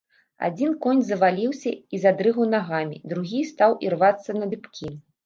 Адзін конь заваліўся і задрыгаў нагамі, другі стаў ірвацца на дыбкі.